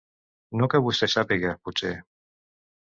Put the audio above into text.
No que vostè sàpiga, potser?